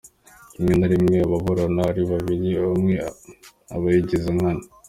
Rimwe na rimwe ababurana ari babiri umwe aba yigiza nkana.